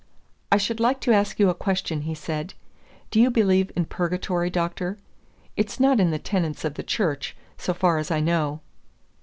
"I should like to ask you a question," he said. "Do you believe in Purgatory, Doctor? It's not in the tenets of the Church, so far as I know."